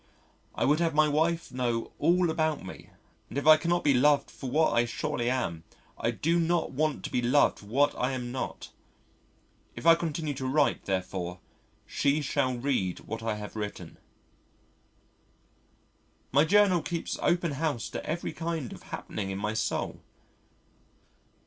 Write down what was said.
I would have my wife know all about me and if I cannot be loved for what I surely am, I do not want to be loved for what I am not. If I continue to write therefore she shall read what I have written.... My Journal keeps open house to every kind of happening in my soul.